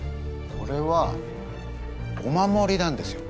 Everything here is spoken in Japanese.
これはお守りなんですよ。